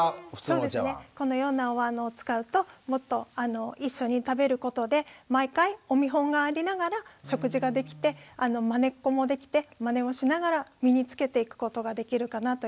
このようなおわんを使うともっと一緒に食べることで毎回お見本がありながら食事ができてまねっこもできてまねをしながら身につけていくことができるかなというふうに思います。